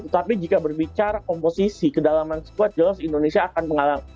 tapi jika berbicara komposisi kedalaman squad jelas indonesia akan mengalami